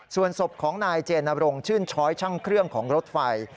ส่วนศพของนายเจนบรงชื่นช้อยช่างเครื่องของรถไฟ